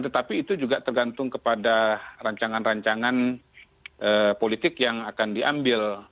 tetapi itu juga tergantung kepada rancangan rancangan politik yang akan diambil